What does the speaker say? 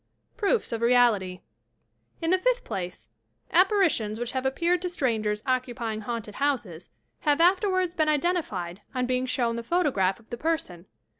PROOFS OF REALITY In the fifth place, apparitions which have appeared to strangers occupying haunted houses have afterwards been identified on being shown the photograph of the person.